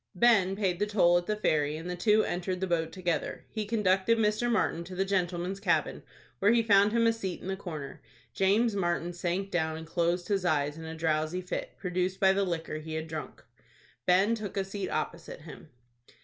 Ben paid the toll at the ferry, and the two entered the boat together. He conducted Mr. Martin to the Gentleman's Cabin, where he found him a seat in the corner. James Martin sank down, and closed his eyes in a drowsy fit, produced by the liquor he had drunk. Ben took a seat opposite him.